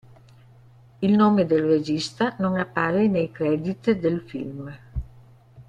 Il nome del regista non appare nei credit del film.